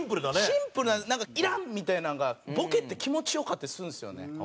シンプルななんか「いらん」みたいなんがボケって気持ち良かったりするんですよね。